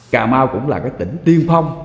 cà mau cũng là tỉnh tiên phong